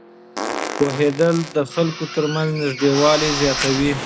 پوهېدل د خلکو ترمنځ نږدېوالی زیاتوي.